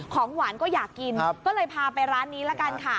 ของหวานก็อยากกินก็เลยพาไปร้านนี้ละกันค่ะ